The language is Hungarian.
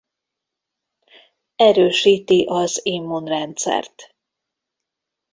Erősíti az immunrendszert.